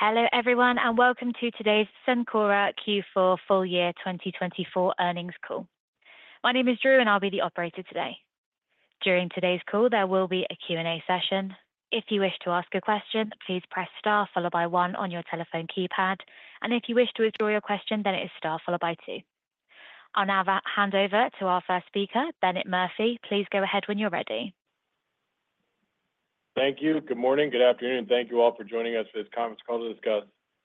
Hello everyone, and welcome to today's Cencora Q4 full year 2024 earnings call. My name is Drew, and I'll be the operator today. During today's call, there will be a Q&A session. If you wish to ask a question, please press star followed by one on your telephone keypad, and if you wish to withdraw your question, then it is star followed by two. I'll now hand over to our first speaker, Bennett Murphy. Please go ahead when you're ready. Thank you. Good morning, good afternoon, and thank you all for joining us for this conference call to discuss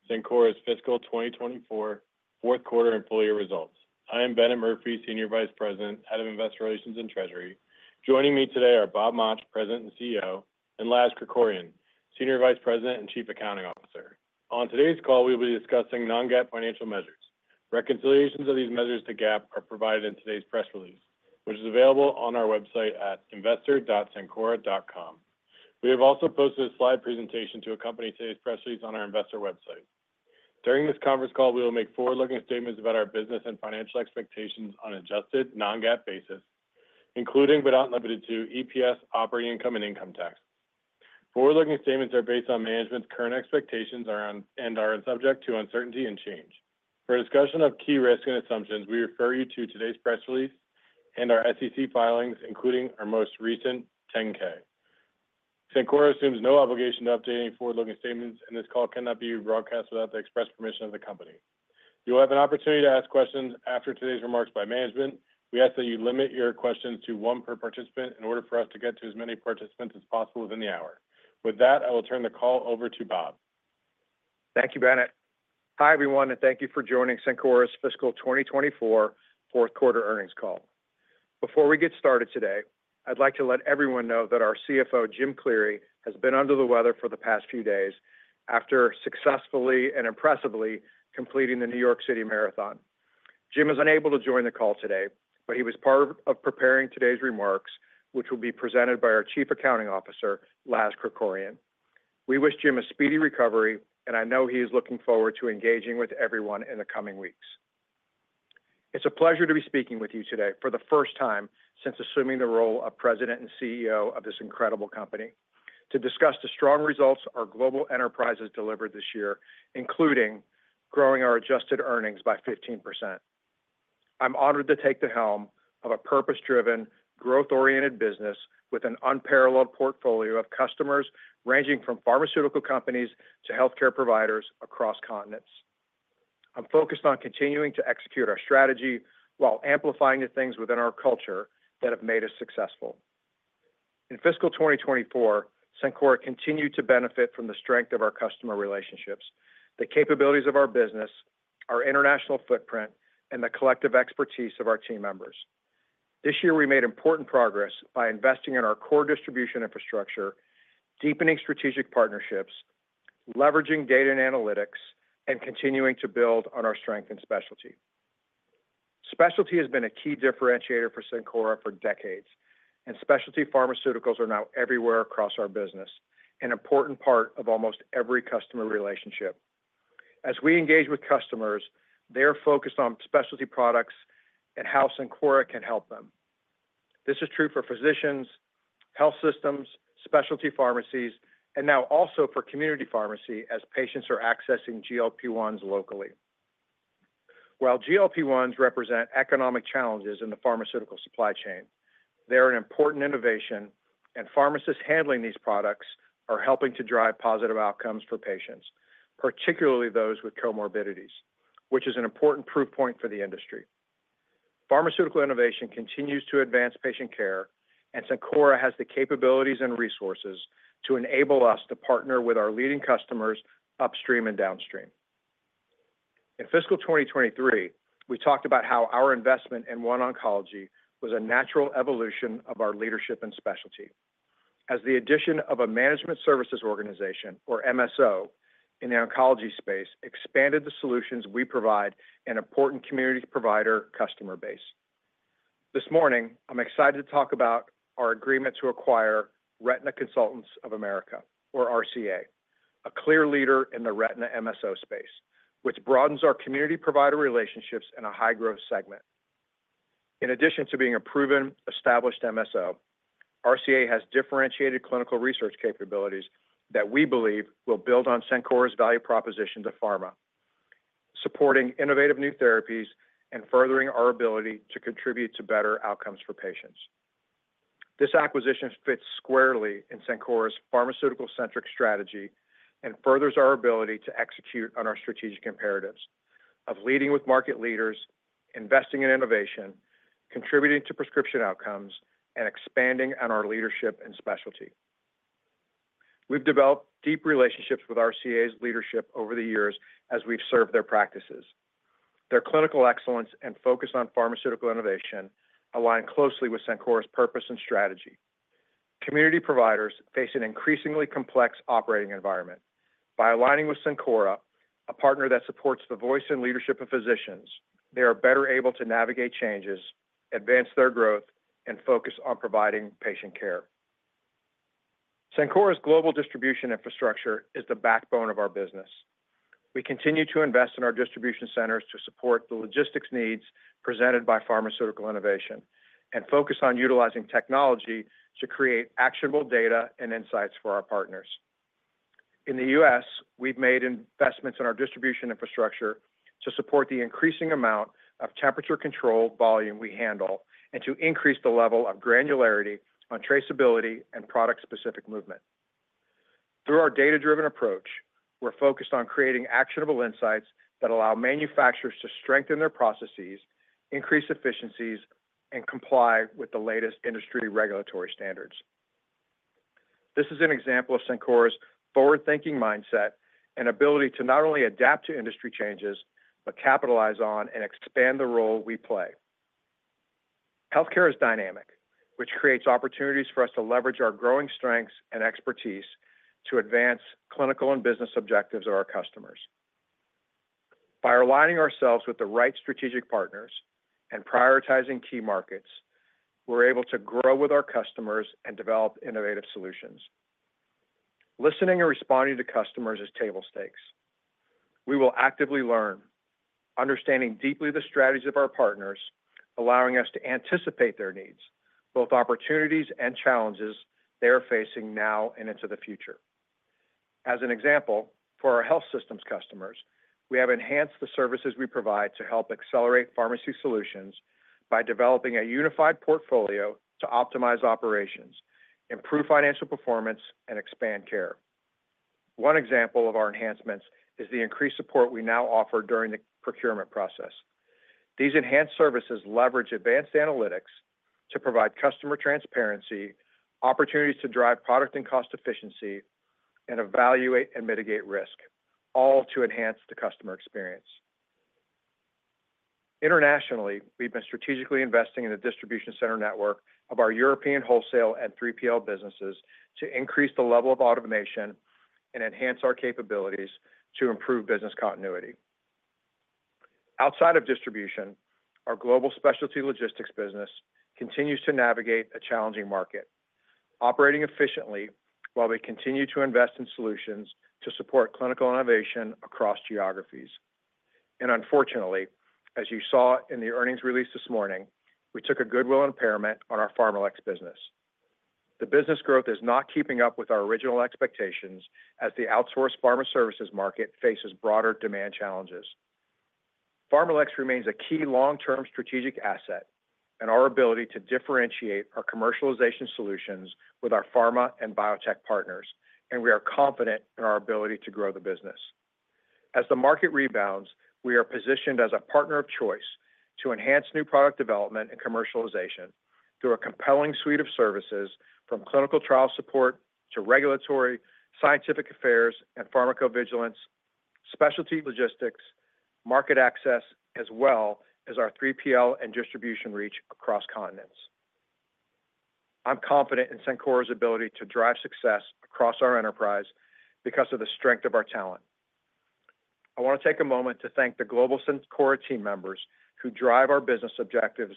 Cencora's fiscal 2024 fourth quarter earnings results. I am Bennett Murphy, Senior Vice President, Head of Investor Relations and Treasury. Joining me today are Bob Mauch, President and CEO, and Lazarus Krikorian, Senior Vice President and Chief Accounting Officer. On today's call, we will be discussing non-GAAP financial measures. Reconciliations of these measures to GAAP are provided in today's press release, which is available on our website at investor.cencora.com. We have also posted a slide presentation to accompany today's press release on our investor website. During this conference call, we will make forward-looking statements about our business and financial expectations on an adjusted non-GAAP basis, including but not limited to EPS, operating income, and income tax. Forward-looking statements are based on management's current expectations and are subject to uncertainty and change. For discussion of key risk and assumptions, we refer you to today's press release and our SEC filings, including our most recent 10-K. Cencora assumes no obligation to update any forward-looking statements, and this call cannot be broadcast without the express permission of the company. You will have an opportunity to ask questions after today's remarks by management. We ask that you limit your questions to one per participant in order for us to get to as many participants as possible within the hour. With that, I will turn the call over to Bob. Thank you, Bennett. Hi everyone, and thank you for joining Cencora's fiscal 2024 fourth quarter earnings call. Before we get started today, I'd like to let everyone know that our CFO, Jim Cleary, has been under the weather for the past few days after successfully and impressively completing the New York City Marathon. Jim is unable to join the call today, but he was part of preparing today's remarks, which will be presented by our Chief Accounting Officer, Lazarus Krikorian. We wish Jim a speedy recovery, and I know he is looking forward to engaging with everyone in the coming weeks. It's a pleasure to be speaking with you today for the first time since assuming the role of President and CEO of this incredible company to discuss the strong results our global enterprises delivered this year, including growing our adjusted earnings by 15%. I'm honored to take the helm of a purpose-driven, growth-oriented business with an unparalleled portfolio of customers ranging from pharmaceutical companies to healthcare providers across continents. I'm focused on continuing to execute our strategy while amplifying the things within our culture that have made us successful. In fiscal 2024, Cencora continued to benefit from the strength of our customer relationships, the capabilities of our business, our international footprint, and the collective expertise of our team members. This year, we made important progress by investing in our core distribution infrastructure, deepening strategic partnerships, leveraging data and analytics, and continuing to build on our strength and specialty. Specialty has been a key differentiator for Cencora for decades, and specialty pharmaceuticals are now everywhere across our business, an important part of almost every customer relationship. As we engage with customers, they are focused on specialty products and how Cencora can help them. This is true for physicians, health systems, specialty pharmacies, and now also for community pharmacy as patients are accessing GLP-1s locally. While GLP-1s represent economic challenges in the pharmaceutical supply chain, they are an important innovation, and pharmacists handling these products are helping to drive positive outcomes for patients, particularly those with comorbidities, which is an important proof point for the industry. Pharmaceutical innovation continues to advance patient care, and Cencora has the capabilities and resources to enable us to partner with our leading customers upstream and downstream. In fiscal 2023, we talked about how our investment in OneOncology was a natural evolution of our leadership and specialty, as the addition of a management services organization, or MSO, in the oncology space expanded the solutions we provide to an important community provider customer base. This morning, I'm excited to talk about our agreement to acquire Retina Consultants of America, or RCA, a clear leader in the retina MSO space, which broadens our community provider relationships in a high-growth segment. In addition to being a proven, established MSO, RCA has differentiated clinical research capabilities that we believe will build on Cencora's value proposition to pharma, supporting innovative new therapies and furthering our ability to contribute to better outcomes for patients. This acquisition fits squarely in Cencora's pharmaceutical-centric strategy and furthers our ability to execute on our strategic imperatives of leading with market leaders, investing in innovation, contributing to prescription outcomes, and expanding on our leadership and specialty. We've developed deep relationships with RCA's leadership over the years as we've served their practices. Their clinical excellence and focus on pharmaceutical innovation align closely with Cencora's purpose and strategy. Community providers face an increasingly complex operating environment. By aligning with Cencora, a partner that supports the voice and leadership of physicians, they are better able to navigate changes, advance their growth, and focus on providing patient care. Cencora's global distribution infrastructure is the backbone of our business. We continue to invest in our distribution centers to support the logistics needs presented by pharmaceutical innovation and focus on utilizing technology to create actionable data and insights for our partners. In the U.S., we've made investments in our distribution infrastructure to support the increasing amount of temperature control volume we handle and to increase the level of granularity on traceability and product-specific movement. Through our data-driven approach, we're focused on creating actionable insights that allow manufacturers to strengthen their processes, increase efficiencies, and comply with the latest industry regulatory standards. This is an example of Cencora's forward-thinking mindset and ability to not only adapt to industry changes, but capitalize on and expand the role we play. Healthcare is dynamic, which creates opportunities for us to leverage our growing strengths and expertise to advance clinical and business objectives of our customers. By aligning ourselves with the right strategic partners and prioritizing key markets, we're able to grow with our customers and develop innovative solutions. Listening and responding to customers is table stakes. We will actively learn, understanding deeply the strategies of our partners, allowing us to anticipate their needs, both opportunities and challenges they are facing now and into the future. As an example, for our health systems customers, we have enhanced the services we provide to help accelerate pharmacy solutions by developing a unified portfolio to optimize operations, improve financial performance, and expand care. One example of our enhancements is the increased support we now offer during the procurement process. These enhanced services leverage advanced analytics to provide customer transparency, opportunities to drive product and cost efficiency, and evaluate and mitigate risk, all to enhance the customer experience. Internationally, we've been strategically investing in the distribution center network of our European wholesale and 3PL businesses to increase the level of automation and enhance our capabilities to improve business continuity. Outside of distribution, our global specialty logistics business continues to navigate a challenging market, operating efficiently while we continue to invest in solutions to support clinical innovation across geographies. Unfortunately, as you saw in the earnings release this morning, we took a goodwill impairment on our PharmaLex business. The business growth is not keeping up with our original expectations as the outsourced pharma services market faces broader demand challenges. PharmaLex remains a key long-term strategic asset and our ability to differentiate our commercialization solutions with our pharma and biotech partners, and we are confident in our ability to grow the business. As the market rebounds, we are positioned as a partner of choice to enhance new product development and commercialization through a compelling suite of services from clinical trial support to regulatory, scientific affairs, and pharmacovigilance, specialty logistics, market access, as well as our 3PL and distribution reach across continents. I'm confident in Cencora's ability to drive success across our enterprise because of the strength of our talent. I want to take a moment to thank the global Cencora team members who drive our business objectives,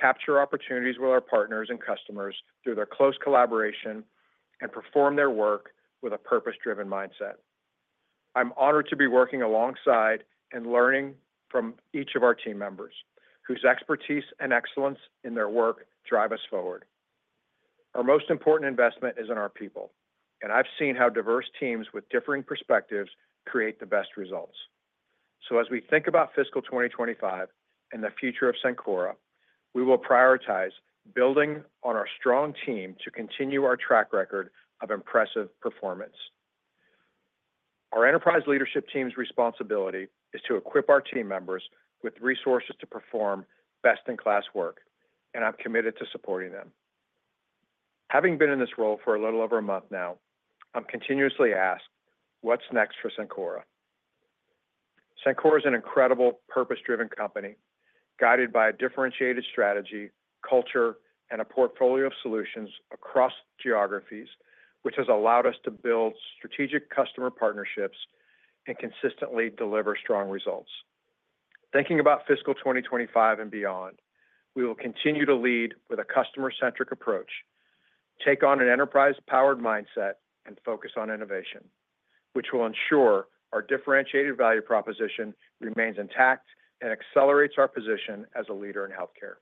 capture opportunities with our partners and customers through their close collaboration, and perform their work with a purpose-driven mindset. I'm honored to be working alongside and learning from each of our team members, whose expertise and excellence in their work drive us forward. Our most important investment is in our people, and I've seen how diverse teams with differing perspectives create the best results. So as we think about fiscal 2025 and the future of Cencora, we will prioritize building on our strong team to continue our track record of impressive performance. Our enterprise leadership team's responsibility is to equip our team members with resources to perform best-in-class work, and I'm committed to supporting them. Having been in this role for a little over a month now, I'm continuously asked, "What's next for Cencora?" Cencora is an incredible purpose-driven company guided by a differentiated strategy, culture, and a portfolio of solutions across geographies, which has allowed us to build strategic customer partnerships and consistently deliver strong results. Thinking about fiscal 2025 and beyond, we will continue to lead with a customer-centric approach, take on an enterprise-powered mindset, and focus on innovation, which will ensure our differentiated value proposition remains intact and accelerates our position as a leader in healthcare.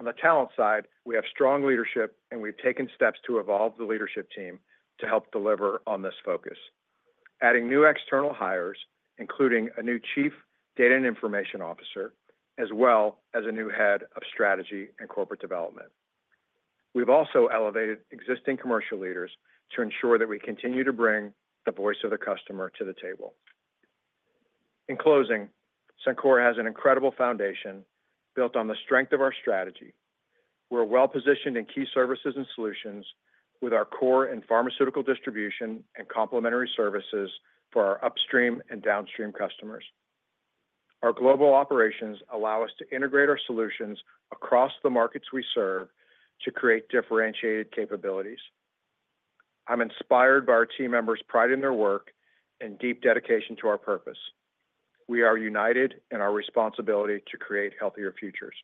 On the talent side, we have strong leadership, and we've taken steps to evolve the leadership team to help deliver on this focus, adding new external hires, including a new Chief Data and Information Officer, as well as a new Head of Strategy and Corporate Development. We've also elevated existing commercial leaders to ensure that we continue to bring the voice of the customer to the table. In closing, Cencora has an incredible foundation built on the strength of our strategy. We're well-positioned in key services and solutions with our core and pharmaceutical distribution and complementary services for our upstream and downstream customers. Our global operations allow us to integrate our solutions across the markets we serve to create differentiated capabilities. I'm inspired by our team members' pride in their work and deep dedication to our purpose. We are united in our responsibility to create healthier futures.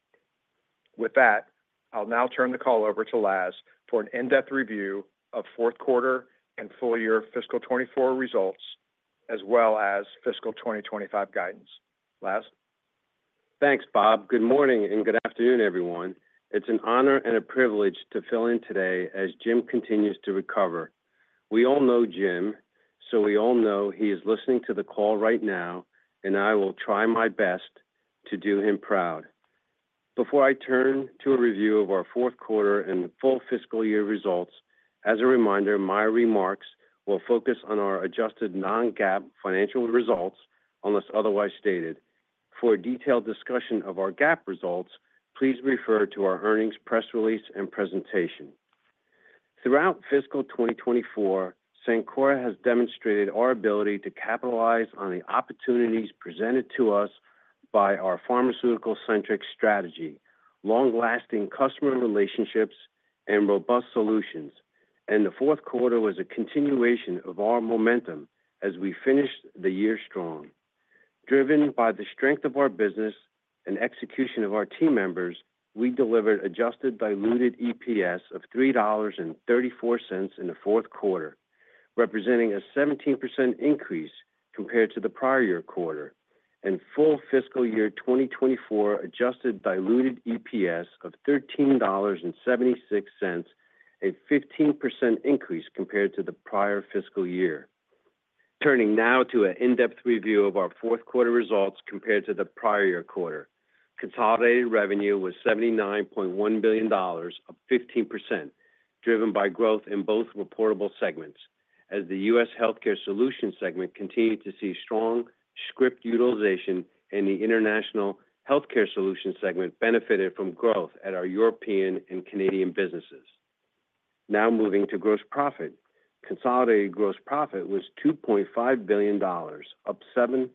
With that, I'll now turn the call over to Lazarus for an in-depth review of fourth quarter and full year fiscal 2024 results, as well as fiscal 2025 guidance. Lazarus. Thanks, Bob. Good morning and good afternoon, everyone. It's an honor and a privilege to fill in today as Jim continues to recover. We all know Jim, so we all know he is listening to the call right now, and I will try my best to do him proud. Before I turn to a review of our fourth quarter and full fiscal year results, as a reminder, my remarks will focus on our adjusted non-GAAP financial results, unless otherwise stated. For a detailed discussion of our GAAP results, please refer to our earnings press release and presentation. Throughout fiscal 2024, Cencora has demonstrated our ability to capitalize on the opportunities presented to us by our pharmaceutical-centric strategy, long-lasting customer relationships, and robust solutions. And the fourth quarter was a continuation of our momentum as we finished the year strong. Driven by the strength of our business and execution of our team members, we delivered adjusted diluted EPS of $3.34 in the fourth quarter, representing a 17% increase compared to the prior year quarter, and full fiscal year 2024 adjusted diluted EPS of $13.76, a 15% increase compared to the prior fiscal year. Turning now to an in-depth review of our fourth quarter results compared to the prior year quarter, consolidated revenue was $79.1 billion, up 15%, driven by growth in both reportable segments, as the U.S. healthcare solutions segment continued to see strong script utilization, and the international healthcare solutions segment benefited from growth at our European and Canadian businesses. Now moving to gross profit, consolidated gross profit was $2.5 billion, up 7%,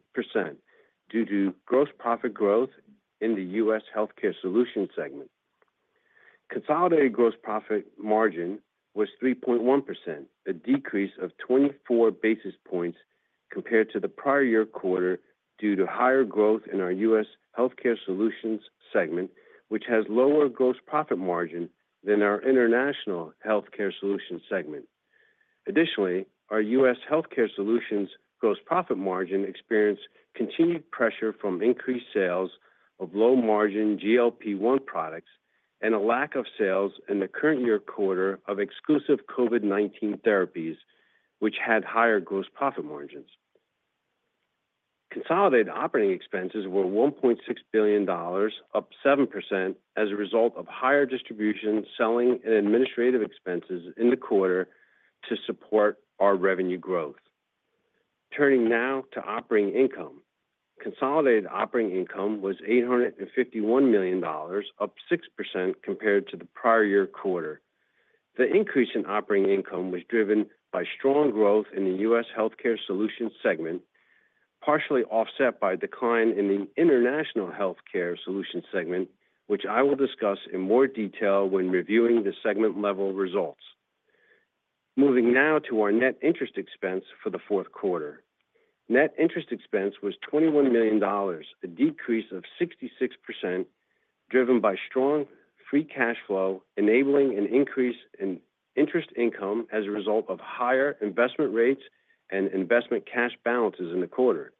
due to gross profit growth in the U.S. healthcare solutions segment. Consolidated gross profit margin was 3.1%, a decrease of 24 basis points compared to the prior year quarter due to higher growth in our U.S. healthcare solutions segment, which has lower gross profit margin than our international healthcare solutions segment. Additionally, our U.S. Healthcare solutions gross profit margin experienced continued pressure from increased sales of low-margin GLP-1 products and a lack of sales in the current year quarter of exclusive COVID-19 therapies, which had higher gross profit margins. Consolidated operating expenses were $1.6 billion, up 7%, as a result of higher distribution selling and administrative expenses in the quarter to support our revenue growth. Turning now to operating income, consolidated operating income was $851 million, up 6% compared to the prior year quarter. The increase in operating income was driven by strong growth in the U.S. healthcare solutions segment, partially offset by a decline in the international healthcare solutions segment, which I will discuss in more detail when reviewing the segment-level results. Moving now to our net interest expense for the fourth quarter. Net interest expense was $21 million, a decrease of 66%, driven by strong free cash flow, enabling an increase in interest income as a result of higher investment rates and investment cash balances in the quarter,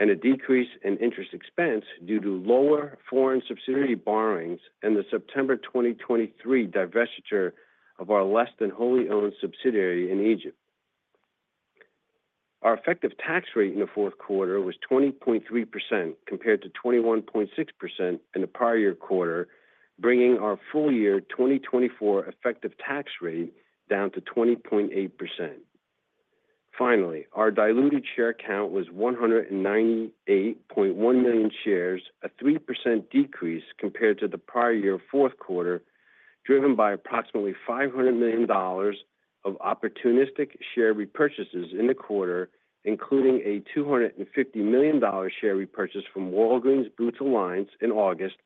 and a decrease in interest expense due to lower foreign subsidiary borrowings and the September 2023 divestiture of our less-than-wholly-owned subsidiary in Egypt. Our effective tax rate in the fourth quarter was 20.3% compared to 21.6% in the prior year quarter, bringing our full year 2024 effective tax rate down to 20.8%. Finally, our diluted share count was 198.1 million shares, a 3% decrease compared to the prior year fourth quarter, driven by approximately $500 million of opportunistic share repurchases in the quarter, including a $250 million share repurchase from Walgreens Boots Alliance in August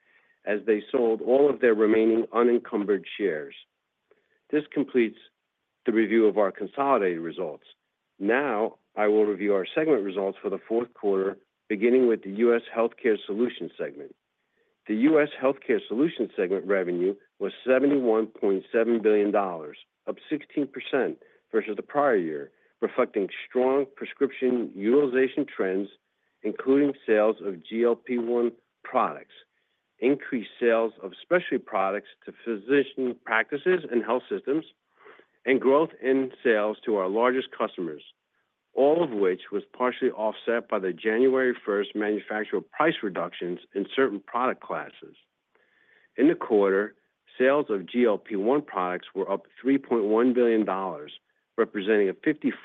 as they sold all of their remaining unencumbered shares. This completes the review of our consolidated results. Now I will review our segment results for the fourth quarter, beginning with the U.S. healthcare solutions segment. The U.S. healthcare solutions segment revenue was $71.7 billion, up 16% versus the prior year, reflecting strong prescription utilization trends, including sales of GLP-1 products, increased sales of specialty products to physician practices and health systems, and growth in sales to our largest customers, all of which was partially offset by the January 1st manufacturer price reductions in certain product classes. In the quarter, sales of GLP-1 products were up $3.1 billion, representing a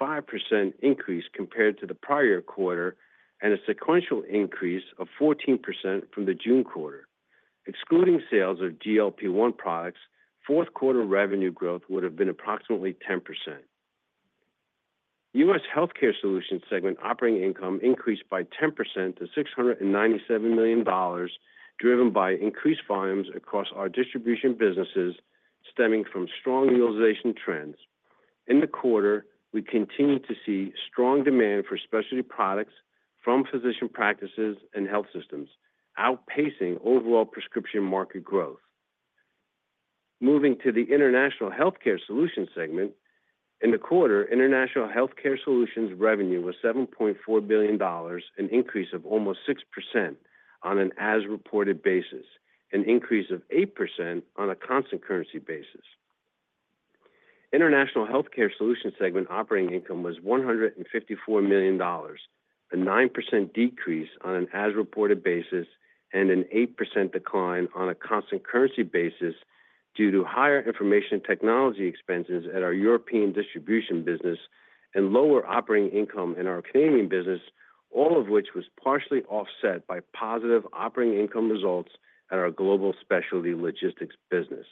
55% increase compared to the prior year quarter and a sequential increase of 14% from the June quarter. Excluding sales of GLP-1 products, fourth quarter revenue growth would have been approximately 10%. U.S. healthcare solutions segment operating income increased by 10% to $697 million, driven by increased volumes across our distribution businesses stemming from strong utilization trends. In the quarter, we continue to see strong demand for specialty products from physician practices and health systems, outpacing overall prescription market growth. Moving to the international healthcare solution segment, in the quarter, international healthcare solutions revenue was $7.4 billion, an increase of almost 6% on an as-reported basis, an increase of 8% on a constant currency basis. International healthcare solution segment operating income was $154 million, a 9% decrease on an as-reported basis, and an 8% decline on a constant currency basis due to higher information technology expenses at our European distribution business and lower operating income in our Canadian business, all of which was partially offset by positive operating income results at our global specialty logistics business.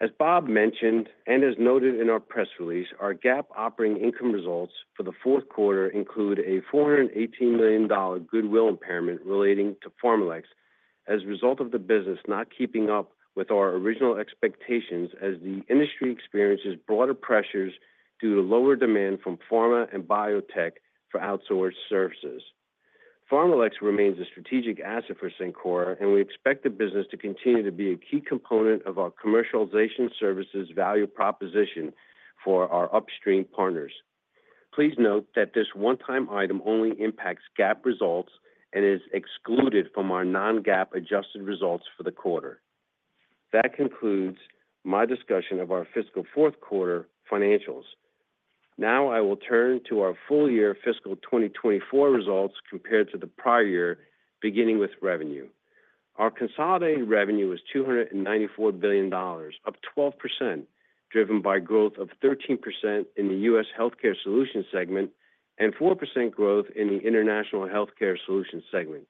As Bob mentioned and as noted in our press release, our GAAP operating income results for the fourth quarter include a $418 million goodwill impairment relating to PharmaLex as a result of the business not keeping up with our original expectations as the industry experiences broader pressures due to lower demand from pharma and biotech for outsourced services. PharmaLex remains a strategic asset for Cencora, and we expect the business to continue to be a key component of our commercialization services value proposition for our upstream partners. Please note that this one-time item only impacts GAAP results and is excluded from our non-GAAP adjusted results for the quarter. That concludes my discussion of our fiscal fourth quarter financials. Now I will turn to our full year fiscal 2024 results compared to the prior year, beginning with revenue. Our consolidated revenue was $294 billion, up 12%, driven by growth of 13% in the U.S. healthcare solutions segment and 4% growth in the international healthcare solutions segment.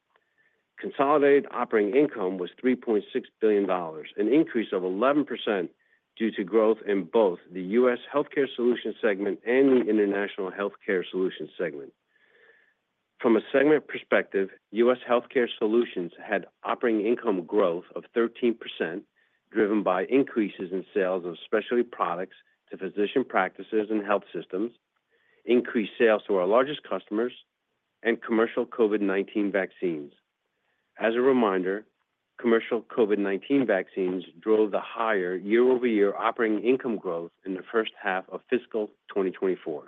Consolidated operating income was $3.6 billion, an increase of 11% due to growth in both the U.S. healthcare solutions segment and the international healthcare solutions segment. From a segment perspective, U.S. healthcare solutions had operating income growth of 13%, driven by increases in sales of specialty products to physician practices and health systems, increased sales to our largest customers, and commercial COVID-19 vaccines. As a reminder, commercial COVID-19 vaccines drove the higher year-over-year operating income growth in the first half of fiscal 2024.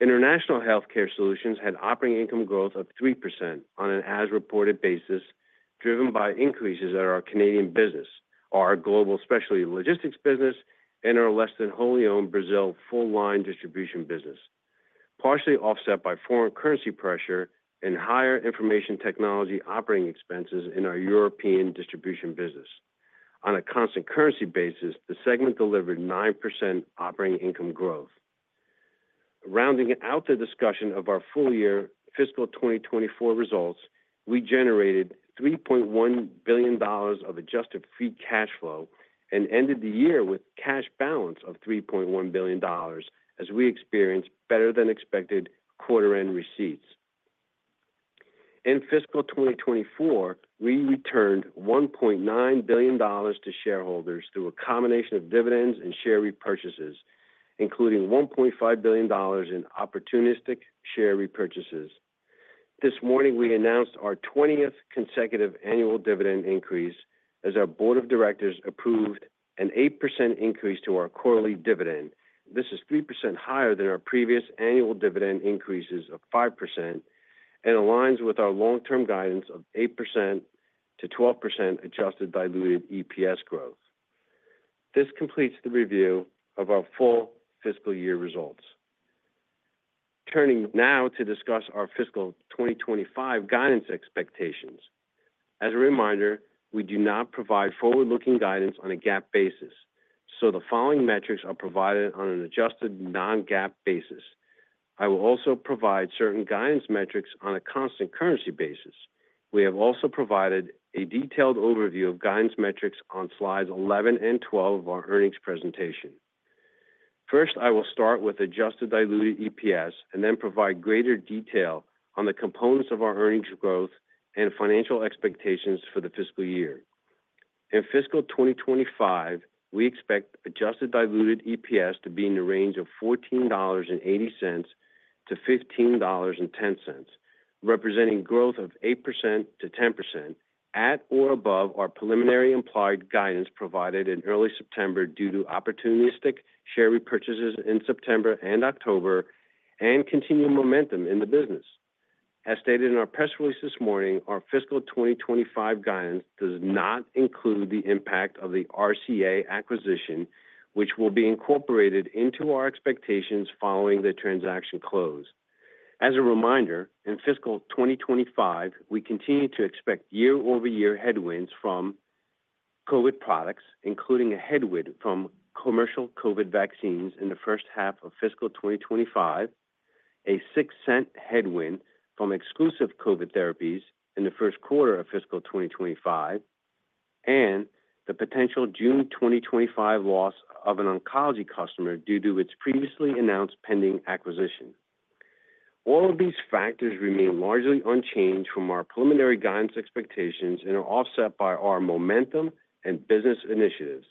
International healthcare solutions had operating income growth of 3% on an as-reported basis, driven by increases at our Canadian business, our global specialty logistics business, and our less-than-wholly-owned Brazil full-line distribution business, partially offset by foreign currency pressure and higher information technology operating expenses in our European distribution business. On a constant currency basis, the segment delivered 9% operating income growth. Rounding out the discussion of our full year fiscal 2024 results, we generated $3.1 billion of adjusted free cash flow and ended the year with cash balance of $3.1 billion as we experienced better-than-expected quarter-end receipts. In fiscal 2024, we returned $1.9 billion to shareholders through a combination of dividends and share repurchases, including $1.5 billion in opportunistic share repurchases. This morning, we announced our 20th consecutive annual dividend increase as our board of directors approved an 8% increase to our quarterly dividend. This is 3% higher than our previous annual dividend increases of 5% and aligns with our long-term guidance of 8%-12% adjusted diluted EPS growth. This completes the review of our full fiscal year results. Turning now to discuss our fiscal 2025 guidance expectations. As a reminder, we do not provide forward-looking guidance on a GAAP basis, so the following metrics are provided on an adjusted non-GAAP basis. I will also provide certain guidance metrics on a constant currency basis. We have also provided a detailed overview of guidance metrics on slides 11 and 12 of our earnings presentation. First, I will start with adjusted diluted EPS and then provide greater detail on the components of our earnings growth and financial expectations for the fiscal year. In fiscal 2025, we expect adjusted diluted EPS to be in the range of $14.80-$15.10, representing growth of 8%-10% at or above our preliminary implied guidance provided in early September due to opportunistic share repurchases in September and October and continued momentum in the business. As stated in our press release this morning, our fiscal 2025 guidance does not include the impact of the RCA acquisition, which will be incorporated into our expectations following the transaction close. As a reminder, in fiscal 2025, we continue to expect year-over-year headwinds from COVID products, including a headwind from commercial COVID vaccines in the first half of fiscal 2025, a 6% headwind from exclusive COVID therapies in the first quarter of fiscal 2025, and the potential June 2025 loss of an oncology customer due to its previously announced pending acquisition. All of these factors remain largely unchanged from our preliminary guidance expectations and are offset by our momentum and business initiatives.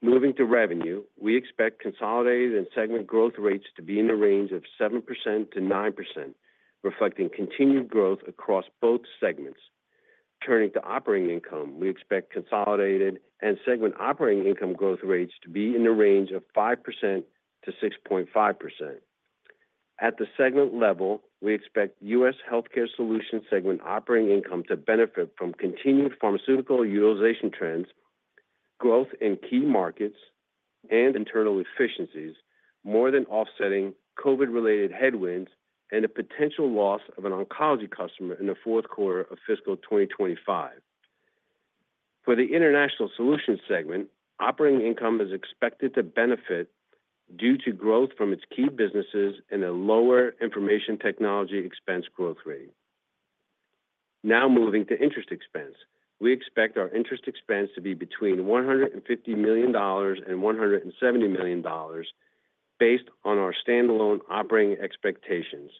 Moving to revenue, we expect consolidated and segment growth rates to be in the range of 7%-9%, reflecting continued growth across both segments. Turning to operating income, we expect consolidated and segment operating income growth rates to be in the range of 5%-6.5%. At the segment level, we expect U.S. healthcare solution segment operating income to benefit from continued pharmaceutical utilization trends, growth in key markets, and internal efficiencies, more than offsetting COVID-related headwinds and a potential loss of an oncology customer in the fourth quarter of fiscal 2025. For the international solution segment, operating income is expected to benefit due to growth from its key businesses and a lower information technology expense growth rate. Now moving to interest expense, we expect our interest expense to be between $150 million and $170 million based on our standalone operating expectations,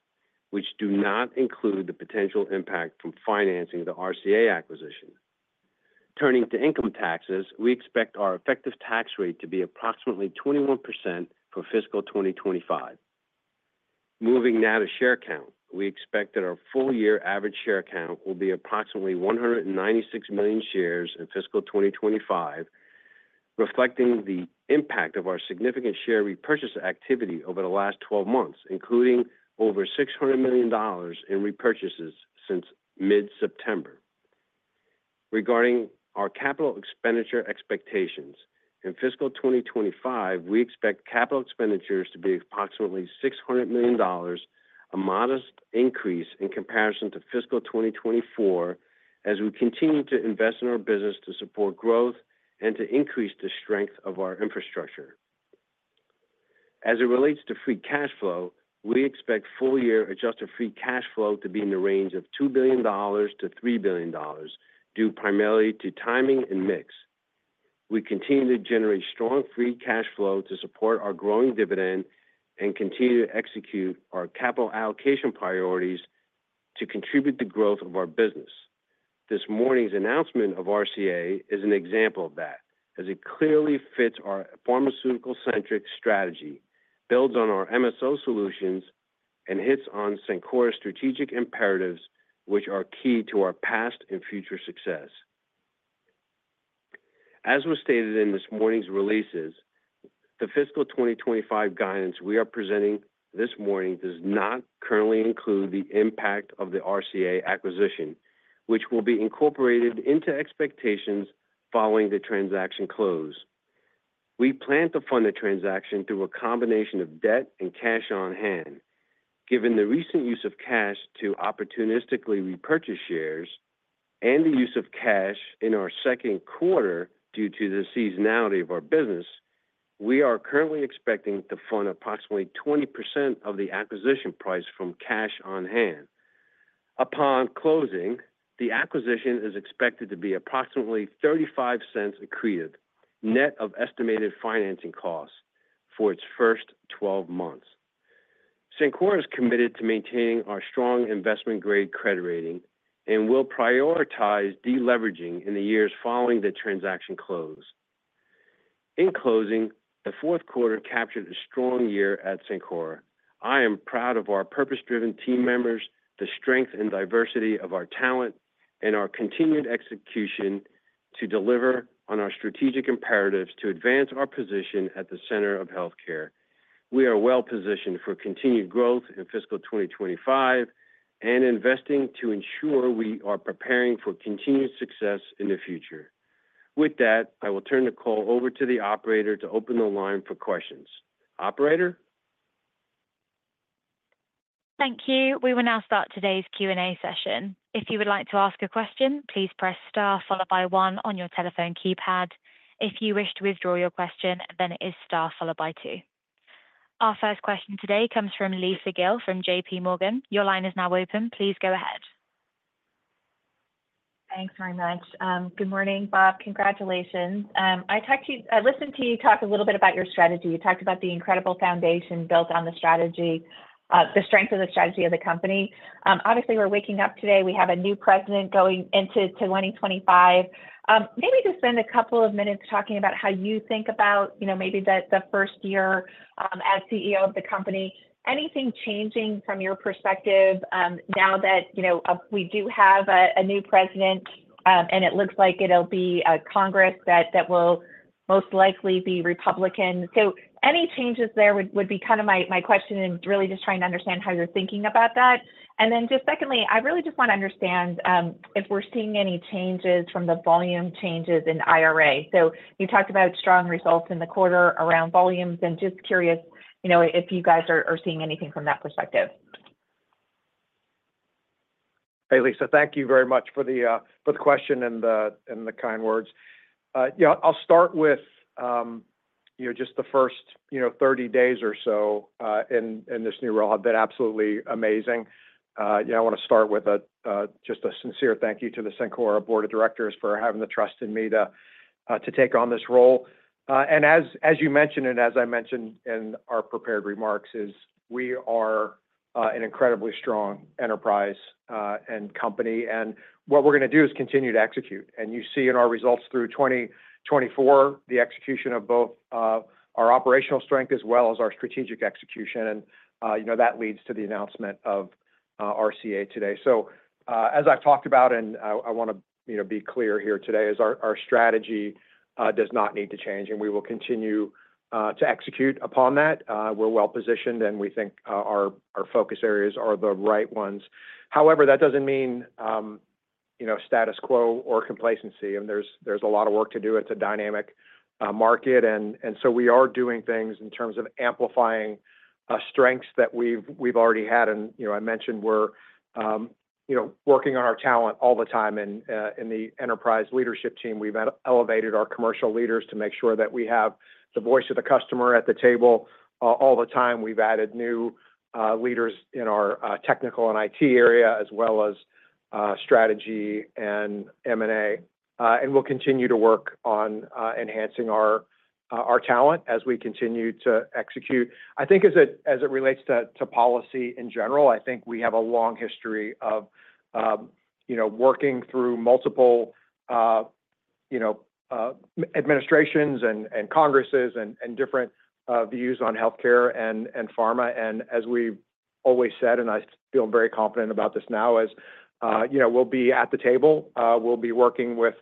which do not include the potential impact from financing the RCA acquisition. Turning to income taxes, we expect our effective tax rate to be approximately 21% for fiscal 2025. Moving now to share count, we expect that our full year average share count will be approximately 196 million shares in fiscal 2025, reflecting the impact of our significant share repurchase activity over the last 12 months, including over $600 million in repurchases since mid-September. Regarding our capital expenditure expectations, in fiscal 2025, we expect capital expenditures to be approximately $600 million, a modest increase in comparison to fiscal 2024, as we continue to invest in our business to support growth and to increase the strength of our infrastructure. As it relates to free cash flow, we expect full year adjusted free cash flow to be in the range of $2 billion to $3 billion, due primarily to timing and mix. We continue to generate strong free cash flow to support our growing dividend and continue to execute our capital allocation priorities to contribute to growth of our business. This morning's announcement of RCA is an example of that, as it clearly fits our pharmaceutical-centric strategy, builds on our MSO solutions, and hits on Cencora's strategic imperatives, which are key to our past and future success. As was stated in this morning's releases, the fiscal 2025 guidance we are presenting this morning does not currently include the impact of the RCA acquisition, which will be incorporated into expectations following the transaction close. We plan to fund the transaction through a combination of debt and cash on hand. Given the recent use of cash to opportunistically repurchase shares and the use of cash in our second quarter due to the seasonality of our business, we are currently expecting to fund approximately 20% of the acquisition price from cash on hand. Upon closing, the acquisition is expected to be approximately $0.35 accretive net of estimated financing costs for its first 12 months. Cencora is committed to maintaining our strong investment-grade credit rating and will prioritize deleveraging in the years following the transaction close. In closing, the fourth quarter captured a strong year at Cencora. I am proud of our purpose-driven team members, the strength and diversity of our talent, and our continued execution to deliver on our strategic imperatives to advance our position at the center of healthcare. We are well-positioned for continued growth in fiscal 2025 and investing to ensure we are preparing for continued success in the future. With that, I will turn the call over to the operator to open the line for questions. Operator? Thank you. We will now start today's Q&A session. If you would like to ask a question, please press Star followed by 1 on your telephone keypad. If you wish to withdraw your question, then it is Star followed by 2. Our first question today comes from Lisa Gill from J.P. Morgan. Your line is now open. Please go ahead. Thanks very much. Good morning, Bob. Congratulations. I listened to you talk a little bit about your strategy. You talked about the incredible foundation built on the strategy, the strength of the strategy of the company. Obviously, we're waking up today. We have a new president going into 2025. Maybe just spend a couple of minutes talking about how you think about maybe the first year as CEO of the company. Anything changing from your perspective now that we do have a new president, and it looks like it'll be a Congress that will most likely be Republican? So any changes there would be kind of my question and really just trying to understand how you're thinking about that. And then just secondly, I really just want to understand if we're seeing any changes from the volume changes in IRA. So you talked about strong results in the quarter around volumes, and just curious if you guys are seeing anything from that perspective. Hey, Lisa, thank you very much for the question and the kind words. I'll start with just the first 30 days or so in this new role. I've been absolutely amazing. I want to start with just a sincere thank you to the Cencora Board of Directors for having the trust in me to take on this role, and as you mentioned, and as I mentioned in our prepared remarks, is we are an incredibly strong enterprise and company, and what we're going to do is continue to execute, and you see in our results through 2024, the execution of both our operational strength as well as our strategic execution, and that leads to the announcement of RCA today, so as I've talked about, and I want to be clear here today, is our strategy does not need to change, and we will continue to execute upon that. We're well-positioned, and we think our focus areas are the right ones. However, that doesn't mean status quo or complacency, and there's a lot of work to do. It's a dynamic market. And so we are doing things in terms of amplifying strengths that we've already had. And I mentioned we're working on our talent all the time. In the enterprise leadership team, we've elevated our commercial leaders to make sure that we have the voice of the customer at the table all the time. We've added new leaders in our technical and IT area as well as strategy and M&A. And we'll continue to work on enhancing our talent as we continue to execute. I think as it relates to policy in general, I think we have a long history of working through multiple administrations and congresses and different views on healthcare and pharma. And as we've always said, and I feel very confident about this now, is we'll be at the table. We'll be working with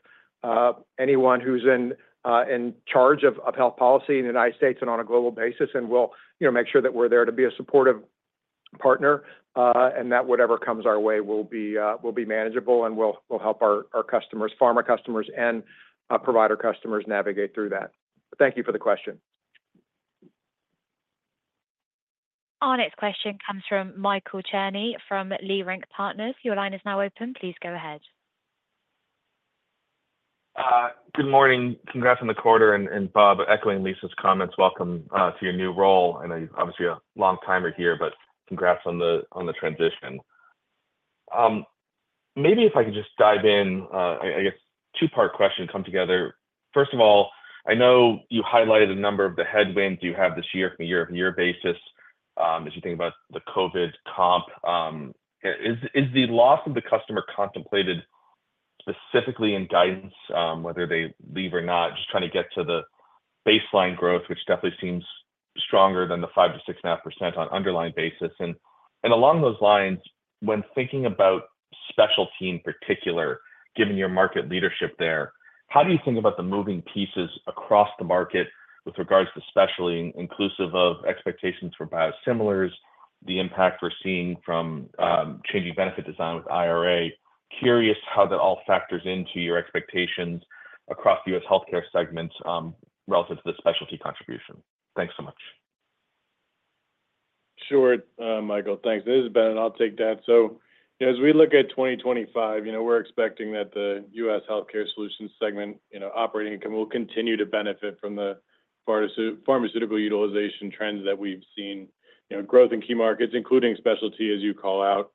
anyone who's in charge of health policy in the United States and on a global basis, and we'll make sure that we're there to be a supportive partner, and that whatever comes our way will be manageable, and we'll help our pharma customers and provider customers navigate through that. Thank you for the question. Our next question comes from Michael Cherny from Leerink Partners. Your line is now open. Please go ahead. Good morning. Congrats on the quarter, and Bob, echoing Lisa's comments, welcome to your new role. I know you're obviously a long-timer here, but congrats on the transition. Maybe if I could just dive in, I guess two-part question come together. First of all, I know you highlighted a number of the headwinds you have this year from year to year basis as you think about the COVID comp. Is the loss of the customer contemplated specifically in guidance, whether they leave or not, just trying to get to the baseline growth, which definitely seems stronger than the 5%-6.5% on underlying basis? And along those lines, when thinking about specialty in particular, given your market leadership there, how do you think about the moving pieces across the market with regards to specialty inclusive of expectations for biosimilars, the impact we're seeing from changing benefit design with IRA? Curious how that all factors into your expectations across the U.S. healthcare segments relative to the specialty contribution. Thanks so much. Sure, Michael. Thanks. This is Ben, and I'll take that. So as we look at 2025, we're expecting that the U.S. Healthcare solutions segment operating income will continue to benefit from the pharmaceutical utilization trends that we've seen, growth in key markets, including specialty, as you call out,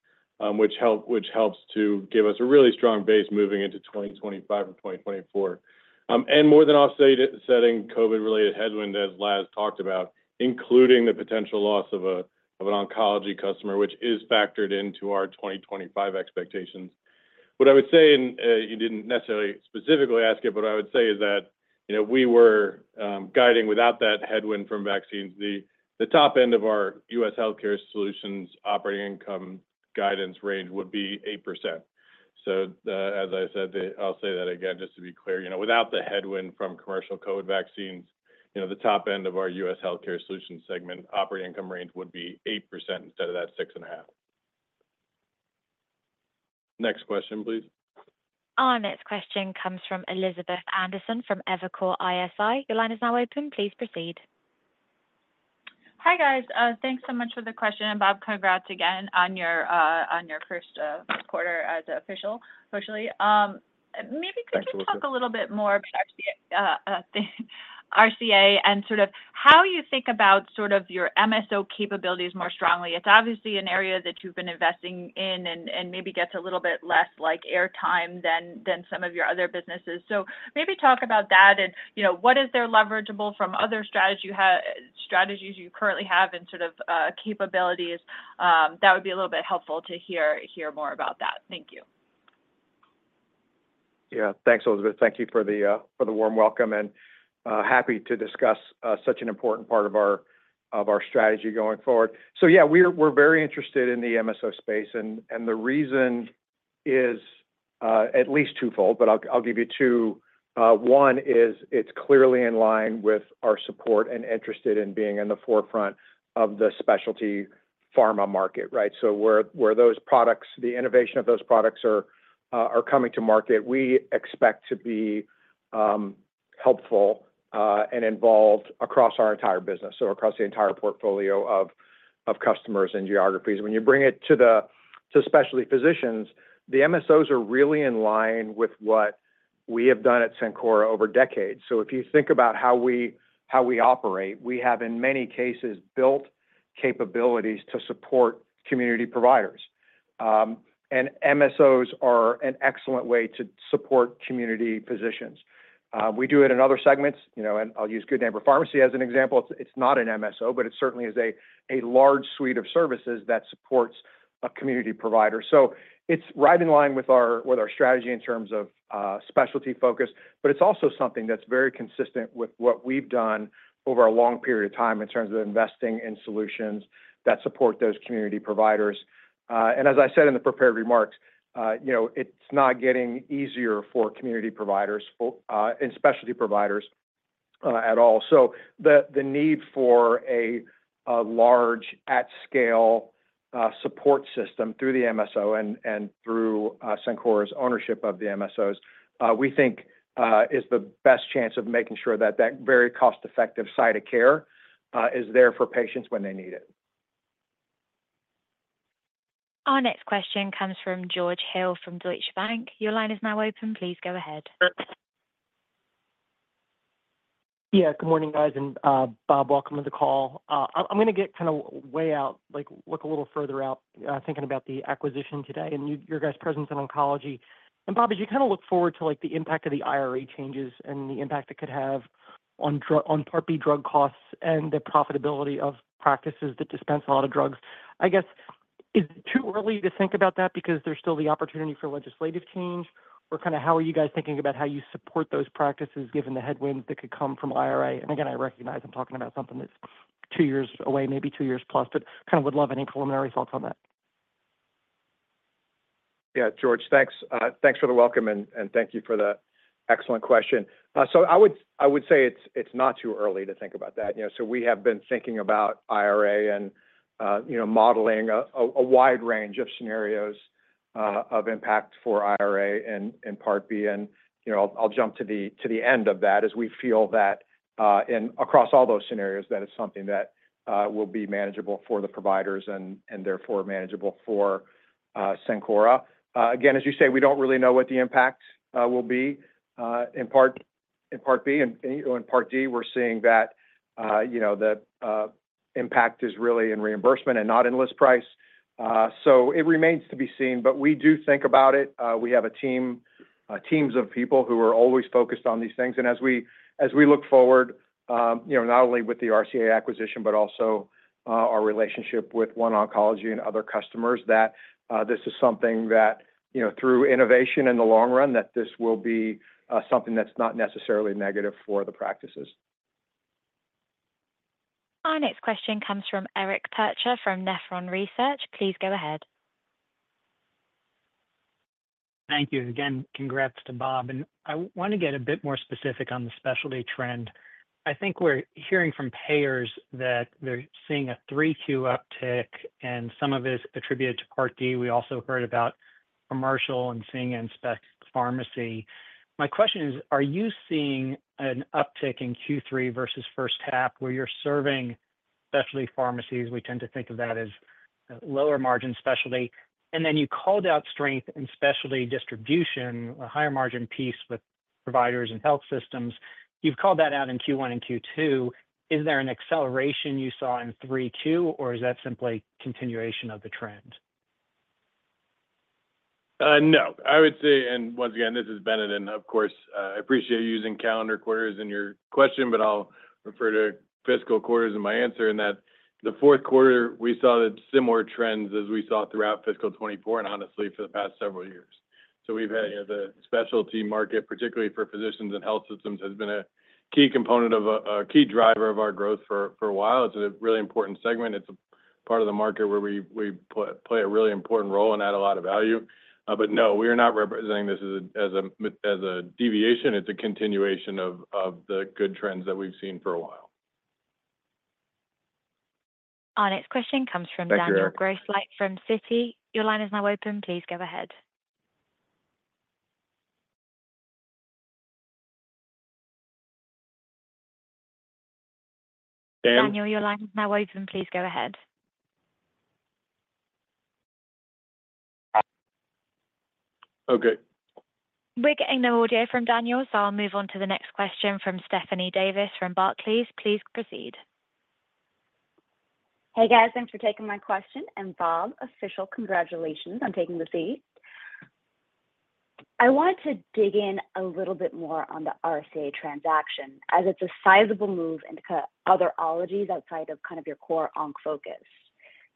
which helps to give us a really strong base moving into 2025 and 2024, and more than offsetting COVID-related headwinds, as Laz talked about, including the potential loss of an oncology customer, which is factored into our 2025 expectations. What I would say, and you didn't necessarily specifically ask it, but what I would say is that we were guiding without that headwind from vaccines. The top end of our U.S. healthcare solutions operating income guidance range would be 8%. So as I said, I'll say that again just to be clear. Without the headwind from commercial COVID vaccines, the top end of our U.S. healthcare solutions segment operating income range would be 8% instead of that 6.5%. Next question, please. Our next question comes from Elizabeth Anderson from Evercore ISI. Your line is now open. Please proceed. Hi, guys. Thanks so much for the question. Bob, congrats again on your first quarter as official. Maybe could you talk a little bit more about RCA and sort of how you think about sort of your MSO capabilities more strongly? It's obviously an area that you've been investing in and maybe gets a little bit less airtime than some of your other businesses. So maybe talk about that and what is there leverageable from other strategies you currently have and sort of capabilities. That would be a little bit helpful to hear more about that. Thank you. Yeah. Thanks, Elizabeth. Thank you for the warm welcome. Happy to discuss such an important part of our strategy going forward. So yeah, we're very interested in the MSO space. The reason is at least twofold, but I'll give you two. One is it's clearly in line with our support and interested in being in the forefront of the specialty pharma market, right? Where those products, the innovation of those products are coming to market, we expect to be helpful and involved across our entire business, so across the entire portfolio of customers and geographies. When you bring it to specialty physicians, the MSOs are really in line with what we have done at Cencora over decades. If you think about how we operate, we have in many cases built capabilities to support community providers. MSOs are an excellent way to support community physicians. We do it in other segments. I'll use Good Neighbor Pharmacy as an example. It's not an MSO, but it certainly is a large suite of services that supports a community provider. So it's right in line with our strategy in terms of specialty focus, but it's also something that's very consistent with what we've done over a long period of time in terms of investing in solutions that support those community providers. And as I said in the prepared remarks, it's not getting easier for community providers and specialty providers at all. So the need for a large at-scale support system through the MSO and through Cencora's ownership of the MSOs, we think is the best chance of making sure that that very cost-effective site of care is there for patients when they need it. Our next question comes from George Hill from Deutsche Bank. Your line is now open. Please go ahead. Yeah. Good morning, guys. And Bob, welcome to the call. I'm going to get kind of way out, look a little further out thinking about the acquisition today and your guys' presence in oncology. And Bob, as you kind of look forward to the impact of the IRA changes and the impact it could have on Part B drug costs and the profitability of practices that dispense a lot of drugs, I guess, is it too early to think about that because there's still the opportunity for legislative change? Or kind of how are you guys thinking about how you support those practices given the headwinds that could come from IRA? And again, I recognize I'm talking about something that's two years away, maybe two years plus, but kind of would love any preliminary thoughts on that. Yeah, George, thanks. Thanks for the welcome, and thank you for the excellent question. So I would say it's not too early to think about that. So we have been thinking about IRA and modeling a wide range of scenarios of impact for IRA and Part B. And I'll jump to the end of that as we feel that across all those scenarios, that it's something that will be manageable for the providers and therefore manageable for Cencora. Again, as you say, we don't really know what the impact will be. In Part B and Part D, we're seeing that the impact is really in reimbursement and not in list price. So it remains to be seen, but we do think about it. We have teams of people who are always focused on these things. And as we look forward, not only with the RCA acquisition, but also our relationship with OneOncology and other customers, that this is something that through innovation in the long run, that this will be something that's not necessarily negative for the practices. Our next question comes from Eric Percher from Nephron Research. Please go ahead. Thank you. Again, congrats to Bob. And I want to get a bit more specific on the specialty trend. I think we're hearing from payers that they're seeing a 3Q uptick, and some of it is attributed to Part D. We also heard about commercial and seeing in spec pharmacy. My question is, are you seeing an uptick in Q3 versus first half where you're serving specialty pharmacies? We tend to think of that as lower margin specialty. Then you called out strength in specialty distribution, a higher margin piece with providers and health systems. You've called that out in Q1 and Q2. Is there an acceleration you saw in 3Q, or is that simply continuation of the trend? No. I would say, and once again, this is Bennett. Of course, I appreciate you using calendar quarters in your question, but I'll refer to fiscal quarters in my answer. In that the fourth quarter, we saw similar trends as we saw throughout fiscal 2024 and honestly for the past several years. So we've had the specialty market, particularly for physicians and health systems, has been a key component of a key driver of our growth for a while. It's a really important segment. It's a part of the market where we play a really important role and add a lot of value. But no, we are not representing this as a deviation. It's a continuation of the good trends that we've seen for a while. Our next question comes from Daniel Grosslight from Citi. Your line is now open. Please go ahead. Daniel, your line is now open. Please go ahead. Okay. We're getting no audio from Daniel, so I'll move on to the next question from Stephanie Davis from Barclays. Please proceed. Hey guys, thanks for taking my question. And Bob, official congratulations on taking the seat. I wanted to dig in a little bit more on the RCA transaction as it's a sizable move into other ologies outside of kind of your core onc focus.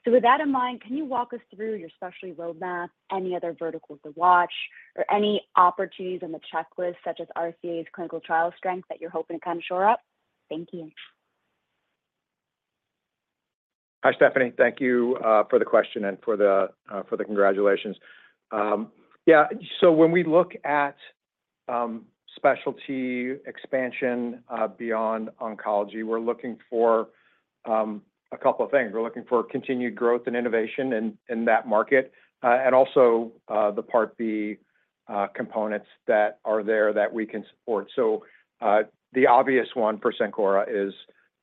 So with that in mind, can you walk us through your specialty roadmap, any other verticals to watch, or any opportunities on the checklist such as RCA's clinical trial strength that you're hoping to kind of shore up? Thank you. Hi, Stephanie. Thank you for the question and for the congratulations. Yeah. So when we look at specialty expansion beyond oncology, we're looking for a couple of things. We're looking for continued growth and innovation in that market and also the Part B components that are there that we can support. So the obvious one for Cencora is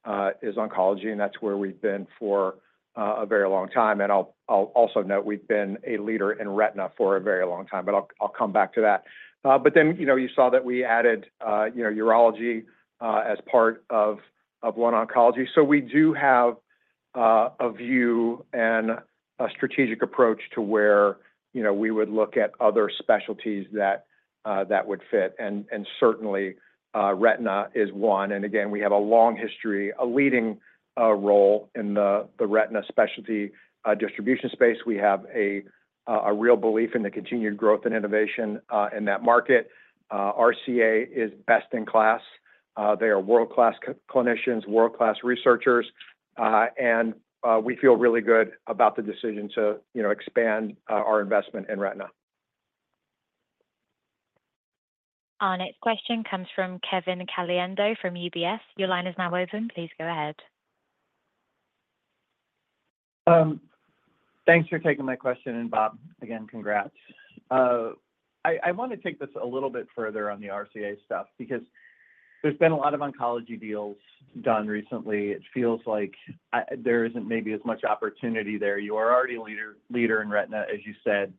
oncology, and that's where we've been for a very long time. And I'll also note we've been a leader in retina for a very long time, but I'll come back to that. But then you saw that we added urology as part of OneOncology. So we do have a view and a strategic approach to where we would look at other specialties that would fit. And certainly, retina is one. And again, we have a long history, a leading role in the retina specialty distribution space. We have a real belief in the continued growth and innovation in that market. RCA is best in class. They are world-class clinicians, world-class researchers, and we feel really good about the decision to expand our investment in retina. Our next question comes from Kevin Caliendo from UBS. Your line is now open. Please go ahead. Thanks for taking my question. And Bob, again, congrats. I want to take this a little bit further on the RCA stuff because there's been a lot of oncology deals done recently. It feels like there isn't maybe as much opportunity there. You are already a leader in retina, as you said.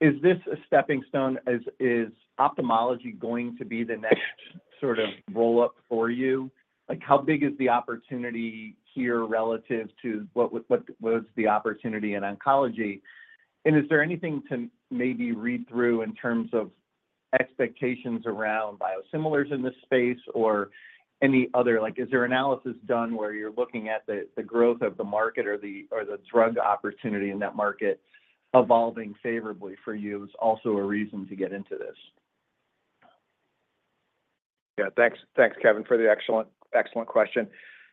Is this a stepping stone? Is ophthalmology going to be the next sort of roll-up for you? How big is the opportunity here relative to what was the opportunity in oncology? And is there anything to maybe read through in terms of expectations around biosimilars in this space or any other? Is there analysis done where you're looking at the growth of the market or the drug opportunity in that market evolving favorably for you, is also a reason to get into this? Yeah. Thanks, Kevin, for the excellent question.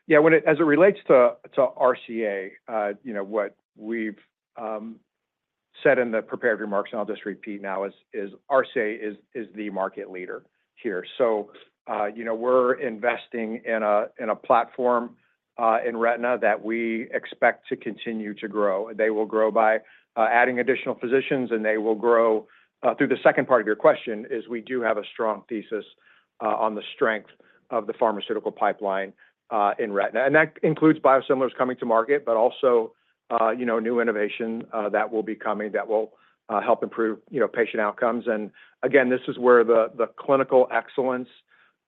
Yeah. As it relates to RCA, what we've said in the prepared remarks, and I'll just repeat now, is RCA is the market leader here. So we're investing in a platform in retina that we expect to continue to grow. They will grow by adding additional physicians, and they will grow through. The second part of your question is we do have a strong thesis on the strength of the pharmaceutical pipeline in retina. And that includes biosimilars coming to market, but also new innovation that will be coming that will help improve patient outcomes. And again, this is where the clinical excellence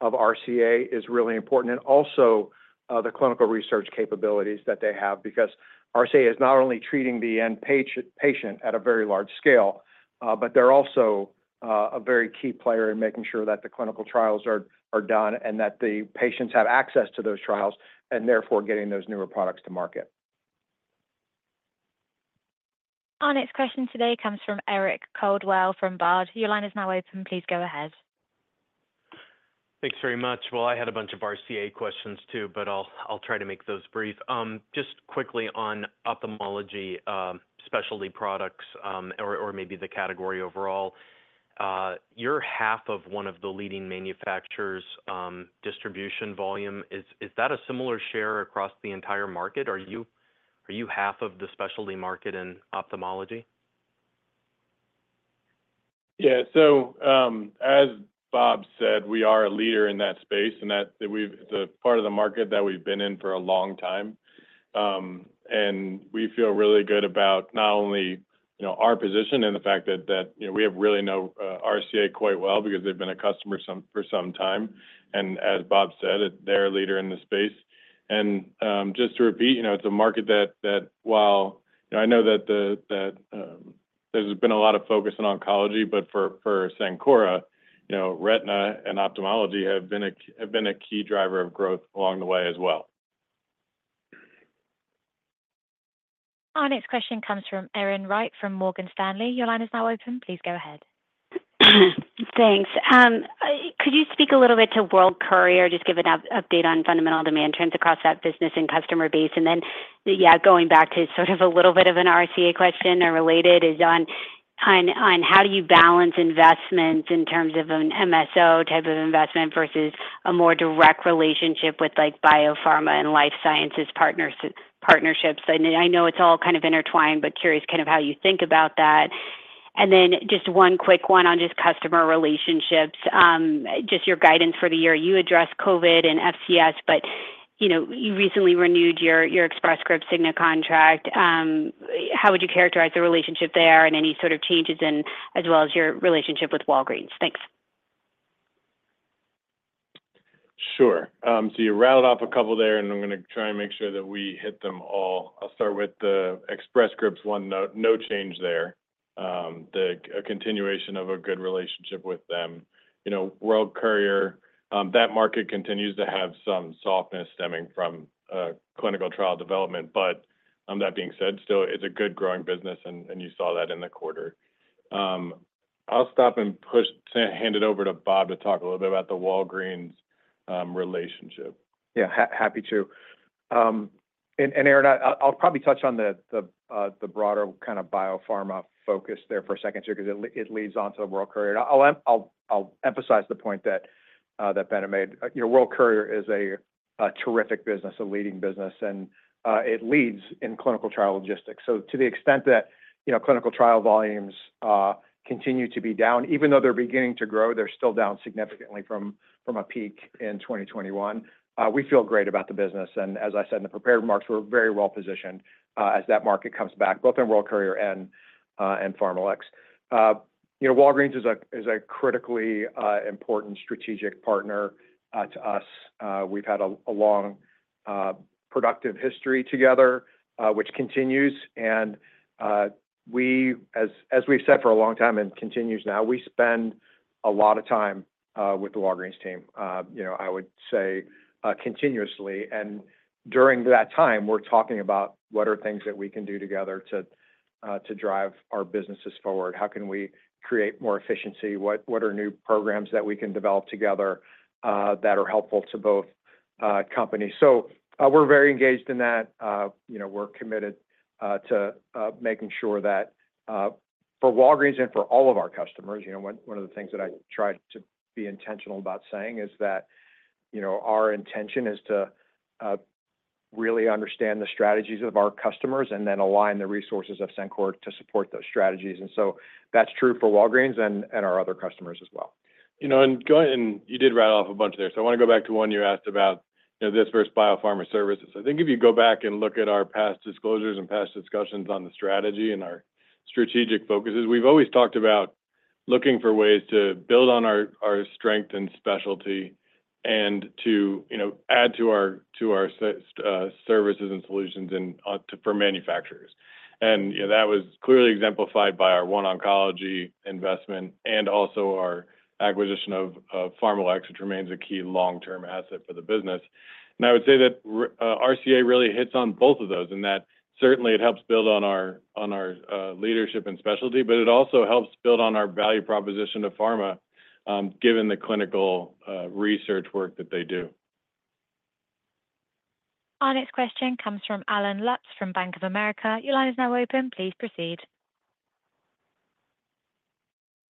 of RCA is really important and also the clinical research capabilities that they have because RCA is not only treating the end patient at a very large scale, but they're also a very key player in making sure that the clinical trials are done and that the patients have access to those trials and therefore getting those newer products to market. Our next question today comes from Eric Coldwell from Baird. Your line is now open. Please go ahead. Thanks very much. I had a bunch of RCA questions too, but I'll try to make those brief. Just quickly on ophthalmology specialty products or maybe the category overall, you're half of one of the leading manufacturers' distribution volume. Is that a similar share across the entire market? Are you half of the specialty market in ophthalmology? Yeah, so as Bob said, we are a leader in that space and that it's a part of the market that we've been in for a long time and we feel really good about not only our position and the fact that we have really known RCA quite well because they've been a customer for some time and as Bob said, they're a leader in the space. And just to repeat, it's a market that while I know that there's been a lot of focus on oncology, but for Cencora, retina and ophthalmology have been a key driver of growth along the way as well. Our next question comes from Erin Wright from Morgan Stanley. Your line is now open. Please go ahead. Thanks. Could you speak a little bit to World Courier, just give an update on fundamental demand trends across that business and customer base? And then, yeah, going back to sort of a little bit of an RCA question or related is on how do you balance investments in terms of an MSO type of investment versus a more direct relationship with biopharma and life sciences partnerships? I know it's all kind of intertwined, but curious kind of how you think about that? And then just one quick one on just customer relationships, just your guidance for the year. You addressed COVID and FCS, but you recently renewed your Express Scripts Cigna contract. How would you characterize the relationship there and any sort of changes as well as your relationship with Walgreens? Thanks. Sure. So you rattled off a couple there, and I'm going to try and make sure that we hit them all. I'll start with the Express Scripts. One, no change there. A continuation of a good relationship with them. World Courier, that market continues to have some softness stemming from clinical trial development. But that being said, still, it's a good growing business, and you saw that in the quarter. I'll stop and hand it over to Bob to talk a little bit about the Walgreens relationship. Yeah. Happy to. And Erin, I'll probably touch on the broader kind of biopharma focus there for a second here because it leads on to World Courier. I'll emphasize the point that Bennett made. World Courier is a terrific business, a leading business, and it leads in clinical trial logistics. So to the extent that clinical trial volumes continue to be down, even though they're beginning to grow, they're still down significantly from a peak in 2021. We feel great about the business. And as I said in the prepared remarks, we're very well positioned as that market comes back, both in World Courier and PharmaLex. Walgreens is a critically important strategic partner to us. We've had a long productive history together, which continues. And as we've said for a long time and continues now, we spend a lot of time with the Walgreens team, I would say, continuously. And during that time, we're talking about what are things that we can do together to drive our businesses forward? How can we create more efficiency? What are new programs that we can develop together that are helpful to both companies? So we're very engaged in that. We're committed to making sure that for Walgreens and for all of our customers, one of the things that I tried to be intentional about saying is that our intention is to really understand the strategies of our customers and then align the resources of Cencora to support those strategies. And so that's true for Walgreens and our other customers as well. And you did rattle off a bunch there. So I want to go back to one you asked about this versus biopharma services. I think if you go back and look at our past disclosures and past discussions on the strategy and our strategic focuses, we've always talked about looking for ways to build on our strength and specialty and to add to our services and solutions for manufacturers, and that was clearly exemplified by our OneOncology investment and also our acquisition of PharmaLex, which remains a key long-term asset for the business, and I would say that RCA really hits on both of those in that certainly it helps build on our leadership and specialty, but it also helps build on our value proposition to pharma given the clinical research work that they do. Our next question comes from Allen Lutz from Bank of America. Your line is now open. Please proceed.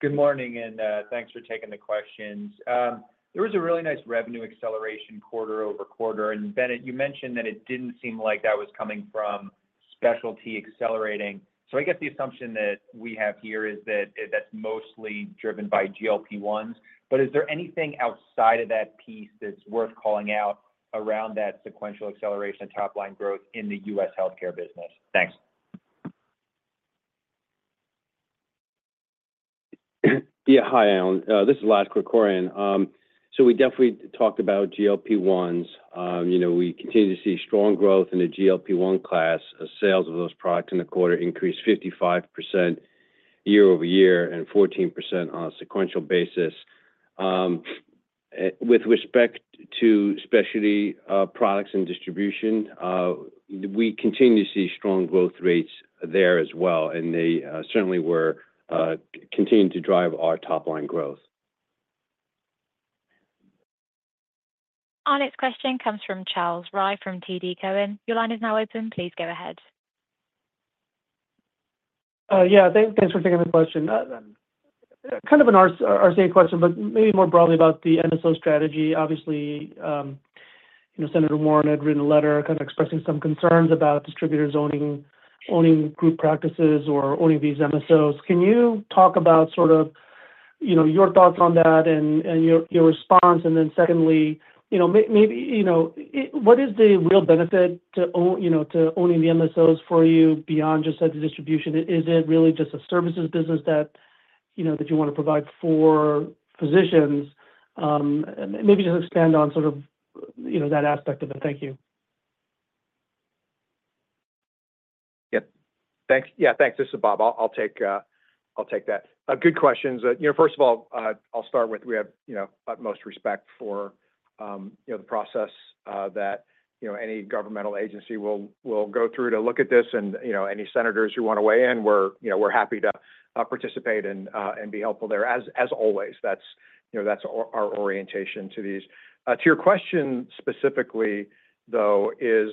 Good morning, and thanks for taking the questions. There was a really nice revenue acceleration quarter over quarter. And Bennett, you mentioned that it didn't seem like that was coming from specialty accelerating. So I guess the assumption that we have here is that that's mostly driven by GLP-1s. But is there anything outside of that piece that's worth calling out around that sequential acceleration and top-line growth in the U.S. healthcare business? Thanks. Yeah. Hi, Allen. This is Lazarus Krikorian. So we definitely talked about GLP-1s. We continue to see strong growth in the GLP-1 class. Sales of those products in the quarter increased 55% year over year and 14% on a sequential basis. With respect to specialty products and distribution, we continue to see strong growth rates there as well, and they certainly were continuing to drive our top-line growth. Our next question comes from Charles Rhyee from TD Cowen. Your line is now open. Please go ahead. Yeah. Thanks for taking the question. Kind of an RCA question, but maybe more broadly about the MSO strategy. Obviously, Senator Warren had written a letter kind of expressing some concerns about distributors owning group practices or owning these MSOs. Can you talk about sort of your thoughts on that and your response? And then secondly, maybe what is the real benefit to owning the MSOs for you beyond just the distribution? Is it really just a services business that you want to provide for physicians? Maybe just expand on sort of that aspect of it. Thank you. Yep. Yeah. Thanks. This is Bob. I'll take that. Good questions. First of all, I'll start with, we have utmost respect for the process that any governmental agency will go through to look at this. And any senators who want to weigh in, we're happy to participate and be helpful there. As always, that's our orientation to these. To your question specifically, though, is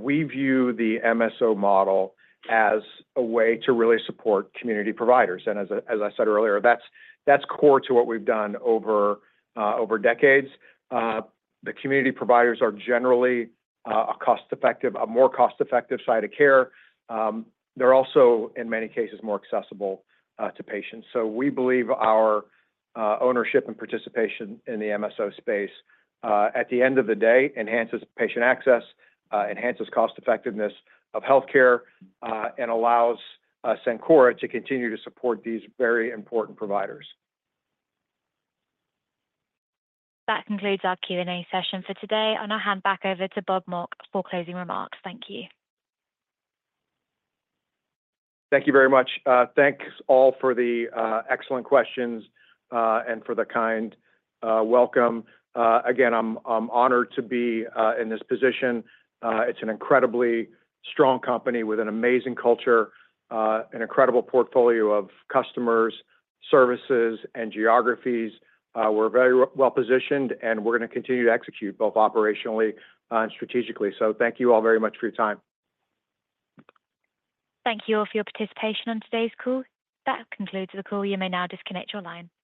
we view the MSO model as a way to really support community providers, and as I said earlier, that's core to what we've done over decades. The community providers are generally a more cost-effective side of care. They're also, in many cases, more accessible to patients, so we believe our ownership and participation in the MSO space, at the end of the day, enhances patient access, enhances cost-effectiveness of healthcare, and allows Cencora to continue to support these very important providers. That concludes our Q&A session for today. I'll now hand back over to Bob Mauch for closing remarks. Thank you. Thank you very much. Thanks all for the excellent questions and for the kind welcome. Again, I'm honored to be in this position. It's an incredibly strong company with an amazing culture, an incredible portfolio of customers, services, and geographies. We're very well positioned, and we're going to continue to execute both operationally and strategically. So thank you all very much for your time. Thank you all for your participation on today's call. That concludes the call. You may now disconnect your line.